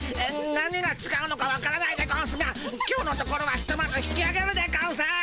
何がちがうのかわからないでゴンスが今日のところはひとまず引きあげるでゴンス。